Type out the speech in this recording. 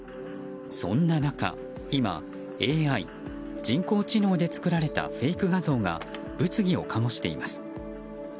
そんな中、今ＡＩ・人工知能で作られたフェイク画像が物議を醸しています。